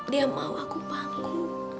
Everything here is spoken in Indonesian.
dia mau aku bangku